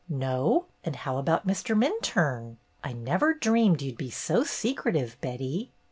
"No? And how about Mr. Minturne? I never dreamed you 'd be so secretive, Betty."